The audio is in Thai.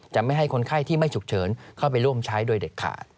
ไม่ให้คนไข้ที่ไม่ฉุกเฉินเข้าไปร่วมใช้โดยเด็ดขาด